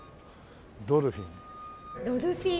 ドルフィン。